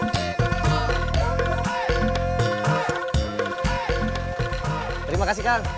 terima kasih kang